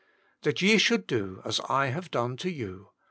"That ye should do as I have done to you."